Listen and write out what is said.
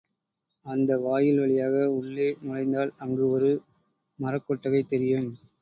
அந்த வாயில் வழியாக உள்ளே நுழைந்தால், அங்கு ஒரு மரக்கொட்டகை தெரியும்.